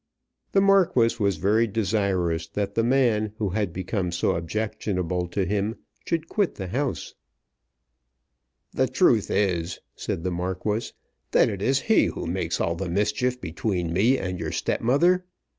The Marquis was very desirous that the man who had become so objectionable to him should quit the house. "The truth is," said the Marquis, "that it is he who makes all the mischief between me and your stepmother.